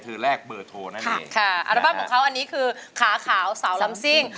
สุดเต็ม